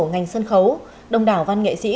ngành sân khấu đồng đảo văn nghệ sĩ